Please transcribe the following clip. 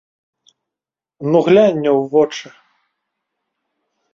Ну, глянь мне ў вочы.